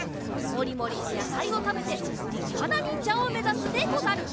もりもりとやさいをたべてりっぱなにんじゃをめざすでござる。